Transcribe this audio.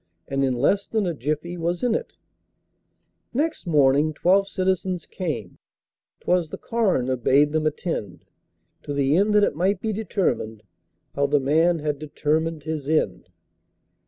And in less than a jiffy was in it! Next morning twelve citizens came ('Twas the coroner bade them attend), To the end that it might be determined How the man had determined his end!